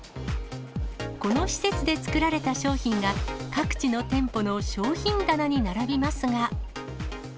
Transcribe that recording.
この施設で作られた商品が、各地の店舗の商品棚に並びますが。